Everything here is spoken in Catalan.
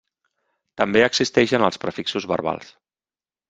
També existeixen els prefixos verbals.